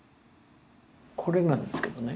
これなんですけどね。